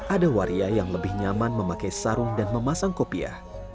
ada waria yang lebih nyaman memakai sarung dan memasang kopiah